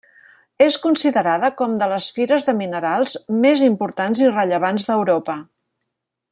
És considerada com de les fires de minerals més importants i rellevants d'Europa.